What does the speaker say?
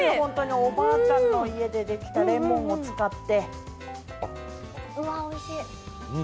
おばあちゃんの家でできたレモンを使って。